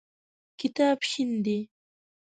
کتاب شین دی.